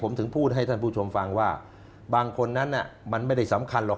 ผมถึงพูดให้ท่านผู้ชมฟังว่าบางคนนั้นมันไม่ได้สำคัญหรอก